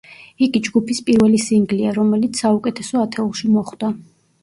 იგი ჯგუფის პირველი სინგლია, რომელიც საუკეთესო ათეულში მოხვდა.